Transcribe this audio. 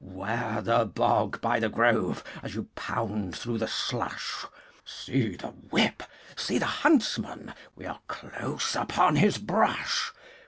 'Ware the bog by the Grove As you pound through the slush. See the whip! See the huntsman! We are close upon his brush.